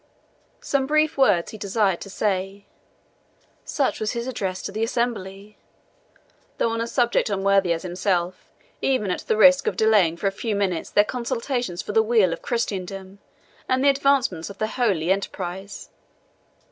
"Some brief words he desired to say," such was his address to the assembly, "though on a subject so unworthy as himself, even at the risk of delaying for a few minutes their consultations for the weal of Christendom and the advancement of their holy enterprise."